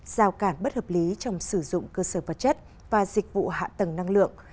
giao cản bất hợp lý trong sử dụng cơ sở vật chất và dịch vụ hạ tầng năng lượng